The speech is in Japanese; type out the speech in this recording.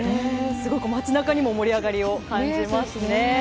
すごく街中にも盛り上がりを感じますね。